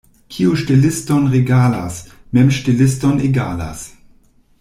Kiu ŝteliston regalas, mem ŝteliston egalas.